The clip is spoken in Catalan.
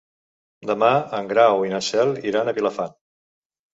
Demà en Grau i na Cel iran a Vilafant.